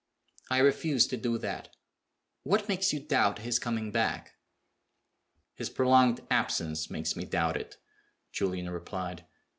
I refuse to do that. What makes you doubt his coming back?" "His prolonged absence makes me doubt it," Julian replied.